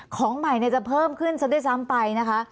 ของใหม่จะเพิ่มขึ้นซะด้วยซ้ำไปนะคะ